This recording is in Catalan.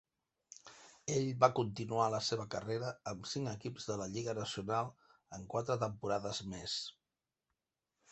Ell va continuar la seva carrera amb cinc equips de la lliga nacional en quatre temporades més.